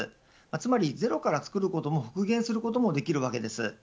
つまりゼロから作ることも復元することもできるわけです。